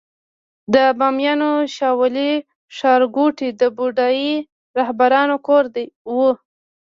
د بامیانو شاولې ښارګوټي د بودايي راهبانو کور و